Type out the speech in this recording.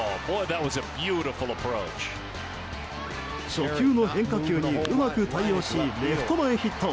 初球の変化球にうまく対応しレフト前ヒット。